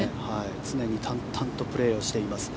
常に淡々とプレーをしています。